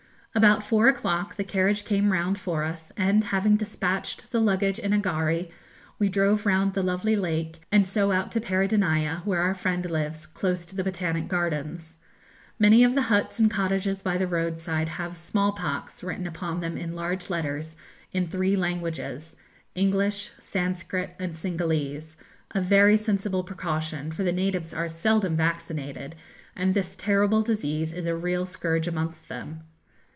About four o'clock the carriage came round for us, and having despatched the luggage in a gharry, we drove round the lovely lake, and so out to Peradeniya, where our friend lives, close to the Botanic Gardens. Many of the huts and cottages by the roadside have 'small pox' written upon them in large letters, in three languages, English, Sanscrit, and Cingalese, a very sensible precaution, for the natives are seldom vaccinated, and this terrible disease is a real scourge amongst them.